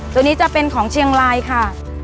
ตัวนี้จะเป็นของเชียงรายค่ะ